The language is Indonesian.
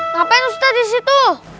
ngapain ustadz di situ